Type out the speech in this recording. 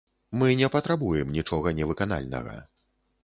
Мы не патрабуем нічога невыканальнага.